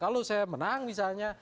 kalau saya menang misalnya